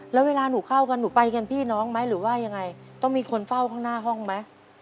แล้วเวลาหนูเข้ากันหนูไปกันพี่น้องไหมหรือว่ายังไงต้องมีคนเฝ้าข้างหน้าห้องไหม